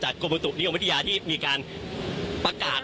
จากกรมธุนิยมวัฒนิยาที่มีการประกาศ